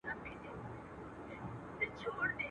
ویښ مي له پېړیو په خوب تللي اولسونه دي.